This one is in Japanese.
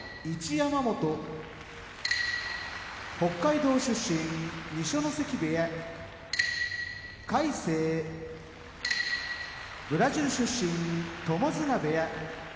山本北海道出身二所ノ関部屋魁聖ブラジル出身友綱部屋